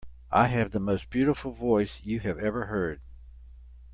I have the most beautiful voice you have ever heard.